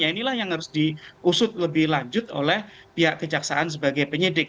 inilah yang harus diusut lebih lanjut oleh pihak kejaksaan sebagai penyidik